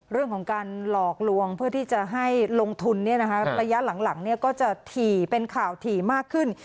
เรื่องของการหลอกลวงเพื่อที่จะให้ลงทุนระยะหลังก็จะถี่เป็นข่าวถี่มากขึ้น